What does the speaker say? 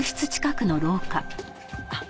あっ